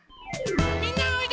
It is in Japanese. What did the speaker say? みんなおいで！